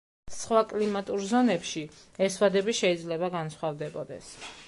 სხვა კლიმატურ ზონებში ეს ვადები შეიძლება განსხვავდებოდეს.